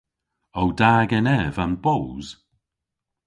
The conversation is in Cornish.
O da genev an boos?